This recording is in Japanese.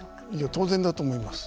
当然だと思います。